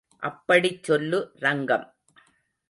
அப்படிச் சொல்லு ரங்கம்.